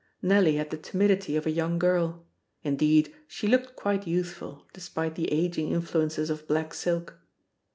Nellie had the timidity of a young girl. Indeed, she looked quite youthful, despite the aging influences of black silk.